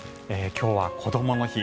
今日は、こどもの日。